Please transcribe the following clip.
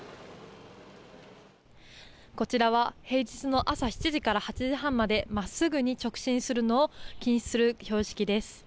こちらは平日の朝７時から８時半まで、まっすぐに直進するのを禁止する標識です。